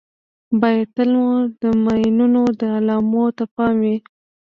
باید تل مو د ماینونو د علامو ته پام وي.